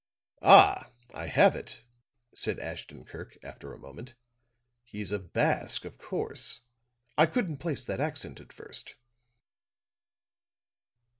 "Ah, I have it," said Ashton Kirk, after a moment. "He's a Basque, of course. I couldn't place that accent at first."